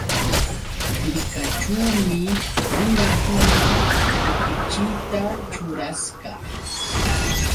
Hirkaćhuumi runakuna kutichiyta ćhurasqa.